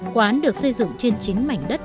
quán được xây dựng trên chính mảnh đất